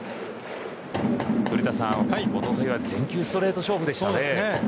古田さん、おとといは全球ストレート勝負でしたね。